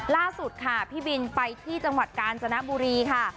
ล่าสุดค่ะพี่บินไปที่จังหวัดกาญจนบุรีค่ะ